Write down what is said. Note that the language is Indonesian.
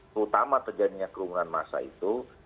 terutama terjadinya kerumunan masa itu